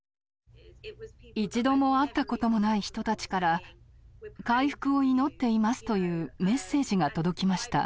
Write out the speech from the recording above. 一度も会ったこともない人たちから「回復を祈っています」というメッセージが届きました。